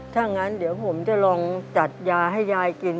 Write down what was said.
ถ้างั้นเดี๋ยวผมจะลองจัดยาให้ยายกิน